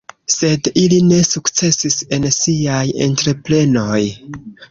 Sed ili ne sukcesis en siaj entreprenoj.